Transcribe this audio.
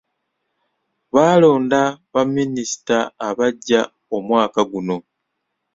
Baalonda baminisita abaggya omwaka guno.